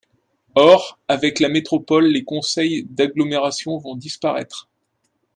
Or, avec la métropole, les conseils d’agglomération vont disparaître.